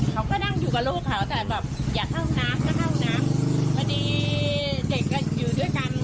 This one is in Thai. เขาก็นั่งอยู่กับลูกเขาแต่แบบอย่าเข้าน้ำก็เข้าน้ำพอดีเด็กก็อยู่ด้วยกัน